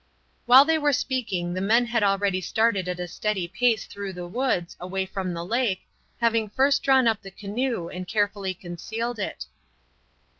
While they were speaking the men had already started at a steady pace through the woods, away from the lake, having first drawn up the canoe and carefully concealed it.